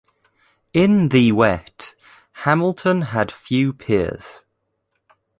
In the wet, Hamilton had few peers.